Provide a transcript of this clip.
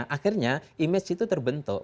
akhirnya image itu terbentuk